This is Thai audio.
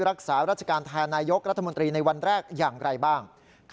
รักษาราชการแทนนายกรัฐมนตรีในวันแรกอย่างไรบ้าง